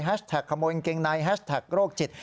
แฮชแท็กขโมยเกงในแฮชแท็กโรคจิต